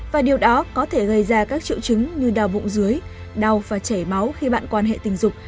và điều đó có thể gây ra các triệu chứng như đau bụng dưới đau và chảy máu khi bạn quan hệ tình dục